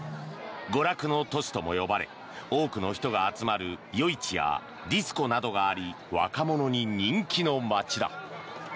娯楽の都市とも呼ばれ多くの人が集まる夜市やディスコなどがあり若者に人気の街だ。